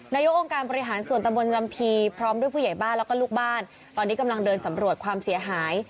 นโยคการบริหารส่วนตรับมือจำพีพร้อมด้วยผู้ใหญ่บ้านและก็ลูกบ้านตอนนี้กำลังเดินสำรวดความเหสีหาย